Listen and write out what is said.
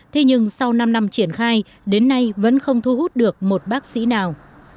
thế nhưng sau năm năm triển khai đến nay vẫn không thu hút được một bác sĩ nào